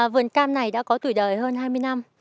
vườn cam này đã có tuổi đời hơn hai mươi năm